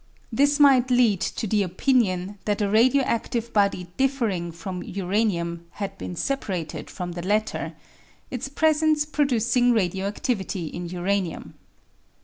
This might lead to the opinion that a radio adive body differing from uranium had been separated from the latter, its presence producing radio adivity in uranium.